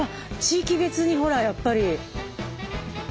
地域別にほらやっぱり。